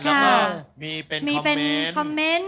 แล้วก็มีเป็นคอมเมนต์